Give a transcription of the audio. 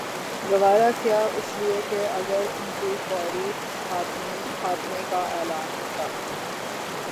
گوارا کیا اس لیے کہ اگر ان کے فوری خاتمے کا اعلان ہوتا